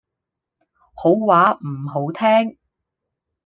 好話唔好聽